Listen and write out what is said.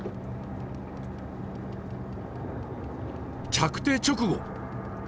着底直後。